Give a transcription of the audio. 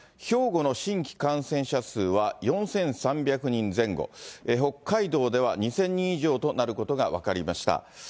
兵庫の新規感染者数は４３００人前後、北海道では２０００人以上となることが分かりました。